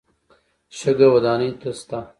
شګه ودانۍ ته شته.